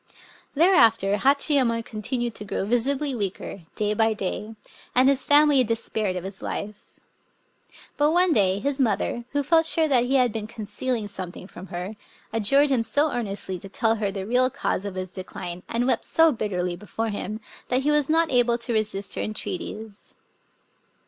Thereafter Hachiyemon continued to grow visi bly weaker, day by day; and his family despaired of his life. But one day his mother, who felt sure that he had been concealing something from her, adjured him so earnestly to tell her the real cause of his decline, and wept so bitterly before him, that he was not able to resist her entreaties.